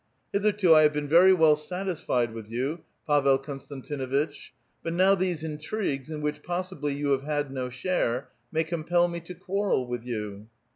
" Hitherto I have been very well satisfied with you, Pavel Konstantinnitch ; but now these intrigues, in which possibly you have had no share, may compel me to quarrel with you."